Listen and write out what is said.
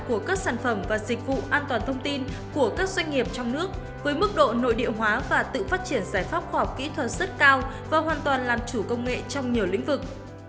của các sản phẩm và dịch vụ an toàn thông tin của các doanh nghiệp trong nước với mức độ nội địa hóa và tự phát triển giải pháp khoa học kỹ thuật rất cao và hoàn toàn làm chủ công nghệ trong nhiều lĩnh vực